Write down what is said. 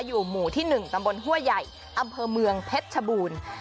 อยู่หมู่ที่๑ตำบลหัวใหญ่อำเภอเมืองเพชรชบูรณ์